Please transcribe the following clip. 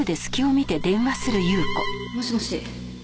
もしもし。